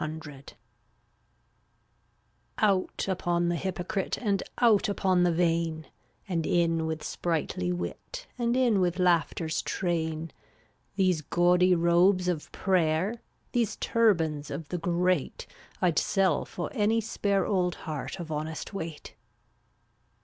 321 Out upon the hypocrite ftttt&t And out upon the vain, ^y And in with spritely wit vi*^' And in with Laughters train. 0UUCT These gaudy robes of prayer, * These turbans of the great I'd sell for any spare Old heart of honest weight.